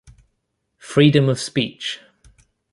Freedom of speech.